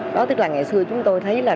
đó tức là ngày xưa chúng tôi thấy là